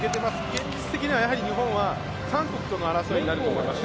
現実的には日本は韓国との争いになると思います。